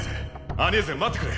アニェーゼ待ってくれ。